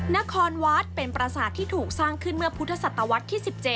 นครวัดเป็นประสาทที่ถูกสร้างขึ้นเมื่อพุทธศตวรรษที่๑๗